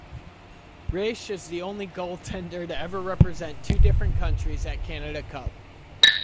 Resch is the only goaltender to ever represent two different countries at Canada Cup.